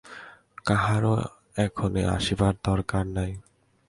কাহারও এক্ষণে আসিবার দরকার নাই।